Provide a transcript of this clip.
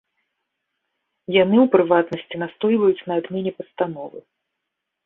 Яны, у прыватнасці, настойваюць на адмене пастановы.